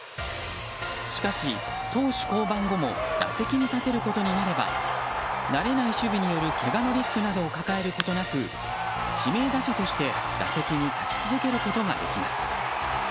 しかし、投手降板後も打席に立てることになれば慣れない守備によるけがのリスクなどを抱えることなく指名打者として打席に立ち続けることができます。